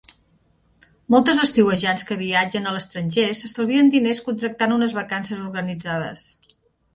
Moltes estiuejants que viatgen a l'estranger s'estalvien diners contractant unes vacances organitzades.